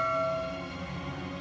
pergi ke sana